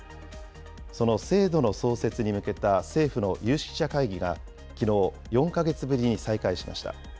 その制度の創設に向けた政府の有識者会議がきのう、４か月ぶりに再開しました。